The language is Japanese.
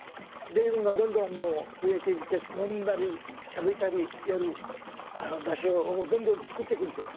米軍がどんどんもう、増えていって、飲んだり食べたりやる場所を、どんどん作っていくんですよ。